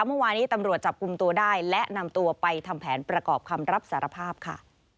เมื่อวานี้ตำรวจจับกลุ่มตัวได้และนำตัวไปทำแผนประกอบคำรับสารภาพค่ะ